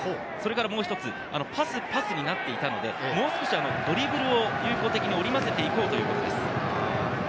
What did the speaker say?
もう一つ、パス、パスになっていたので、もう一つ少しドリブルを有効的に折りまぜて行こうということです。